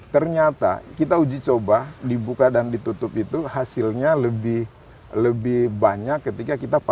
ternyata kita uji coba dibuka dan ditutup itu hasilnya lebih banyak ketika kita